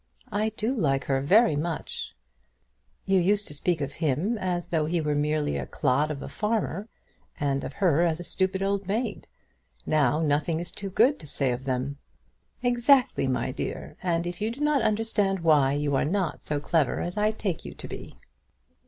"I do like her very much." "It is so odd, the way you have changed. You used to speak of him as though he was merely a clod of a farmer, and of her as a stupid old maid. Now, nothing is too good to say of them." "Exactly, my dear; and if you do not understand why, you are not so clever as I take you to be."